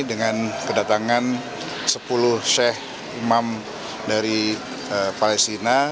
dengan kedatangan sepuluh sheikh imam dari palestina